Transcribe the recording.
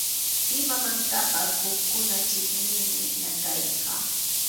Imamantapas hukkuna chiqniymi ñakayqa.